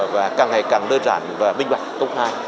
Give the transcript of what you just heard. và càng ngày càng đơn giản và minh bạch